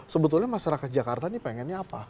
sebetulnya masyarakat jakarta ini pengennya apa